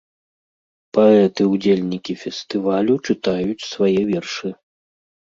Паэты-ўдзельнікі фестывалю чытаюць свае вершы.